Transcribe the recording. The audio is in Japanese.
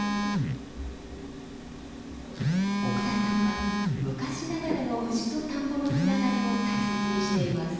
奥田さんは昔ながらの牛と田んぼのつながりを大切にしています。